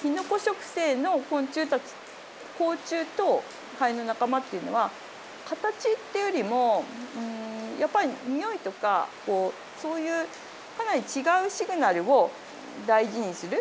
きのこ食性の昆虫たち甲虫とハエの仲間っていうのは形っていうよりもやっぱりにおいとかそういうかなり違うシグナルを大事にする。